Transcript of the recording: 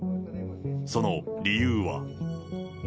その理由は。